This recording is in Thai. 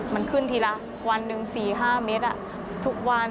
มันขึ้นทีละวันหนึ่ง๔๕เมตร